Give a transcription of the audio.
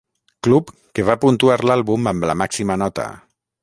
Club, que va puntuar l'àlbum amb la màxima nota.